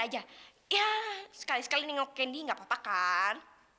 ya sekali sekali nengok kendi gak apa apa kan